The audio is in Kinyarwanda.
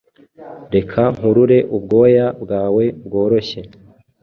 Reka nkurure ubwoya bwawe bworoshye;